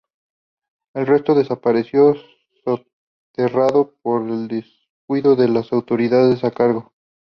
El resto desapareció soterrado por el descuido de las autoridades a cargo.